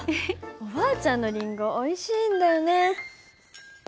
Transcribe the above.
おばあちゃんのりんごおいしいんだよね。